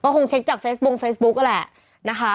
เขาเช็คจากเฟซบรุงเฟซบุ๊กเลย